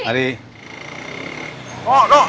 mari pak ji